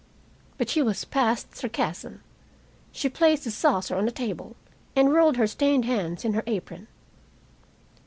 But she was past sarcasm. She placed the saucer on a table and rolled her stained hands in her apron.